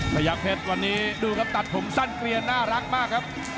พญาเพชรวันนี้ดูครับตัดผมสั้นเกลียนน่ารักมากครับ